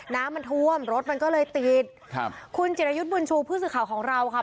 น้ำมันท่วมรถมันก็เลยติดครับคุณจิรยุทธ์บุญชูผู้สื่อข่าวของเราค่ะ